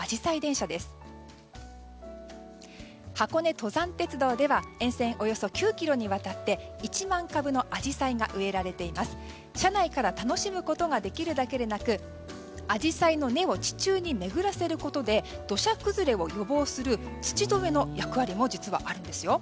車内から楽しむことができるだけでなくアジサイの根を地中にめぐらせることで土砂崩れを予防する土留の役割も実はあるんですよ。